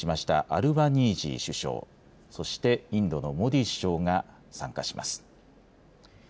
アルバニージー首相、そしてインドのモディ首相が参加します。